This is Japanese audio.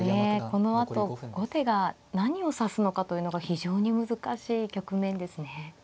このあと後手が何を指すのかというのが非常に難しい局面ですね。